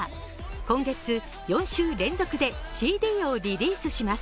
今月４週連続でＣＤをリリースします。